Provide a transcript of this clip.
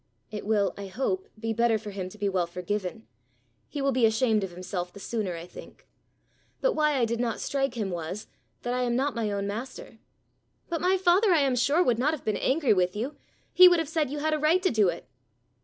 "It will, I hope, be better for him to be well forgiven: he will be ashamed of himself the sooner, I think. But why I did not strike him was, that I am not my own master." "But my father, I am sure, would not have been angry with you. He would have said you had a right to do it."